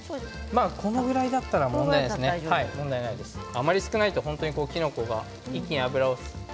このぐらいだったら問題ないですがあまり少ないときのこが一気に脂を吸って。